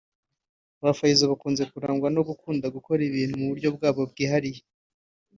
Ba Faysal bakunze kurangwa no gukunda gukora ibintu mu buryo bwabo bwihariye